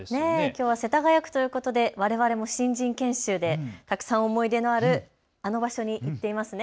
きょうは世田谷区ということでわれわれも新人研修で思い出のある、あの場所に行っていますね。